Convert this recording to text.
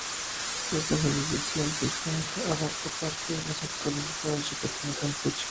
Esta jurisdicción prehispánica abarcaba parte de los actuales estados de Yucatán y de Campeche.